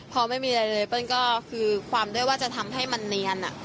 พอไม่มีอะไรเลยเปิ้ลก็คือความด้วยว่าจะทำให้มันเนียน